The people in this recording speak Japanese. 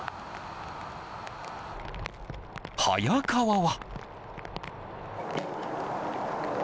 早川は。